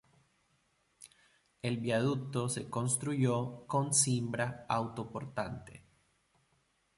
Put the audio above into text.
El viaducto se construyó con cimbra autoportante.